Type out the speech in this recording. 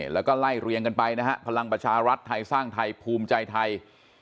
แล้วก็ไล่เรียงกันไปนะฮะพลังประชารัฐไทยสร้างไทยภูมิใจไทย